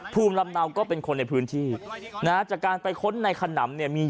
ภูมิลำเนาก็เป็นคนในพื้นที่นะฮะจากการไปค้นในขนำเนี่ยมี